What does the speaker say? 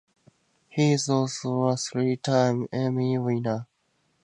He is also a three time Emmy winner.